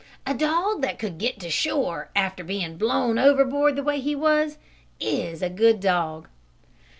A dog that could get to shore after being blown overboard the way he was, is a good dog!"